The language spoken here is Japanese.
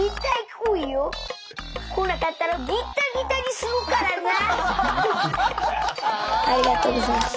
来なかったらギッタギタにするからな！